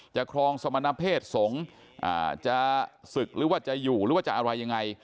ครองสมณเพศสงฆ์จะศึกหรือว่าจะอยู่หรือว่าจะอะไรยังไง